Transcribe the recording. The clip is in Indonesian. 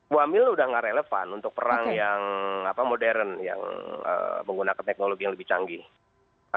muamil udah nggak relevan untuk perang yang modern yang menggunakan teknologi yang lebih canggih